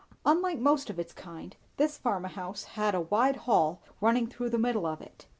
Unlike most of its kind, this farmhouse had a wide hall running through the middle of it.